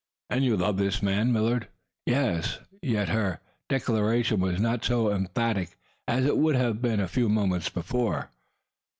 "And you love this man, Millard?" "Yes!" Yet her declaration was not so emphatic as it would have been a few moments before.